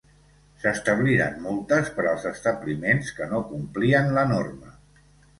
S'establiren multes per als establiments que no complien la norma.